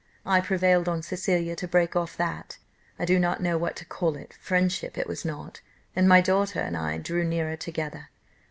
I prevailed on Cecilia to break off that I do not know what to call it, friendship it was not, and my daughter and I drew nearer together.